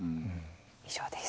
以上です。